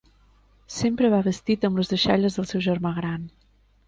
Sempre va vestit amb les deixalles del seu germà gran.